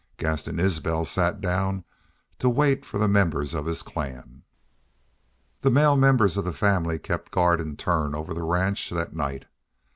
Gaston Isbel sat down to wait for the members of his clan. The male members of the family kept guard in turn over the ranch that night.